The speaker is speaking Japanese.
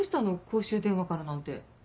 公衆電話からなんて。